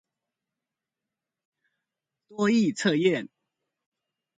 多益測驗